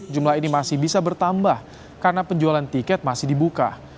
jumlah ini masih bisa bertambah karena penjualan tiket masih dibuka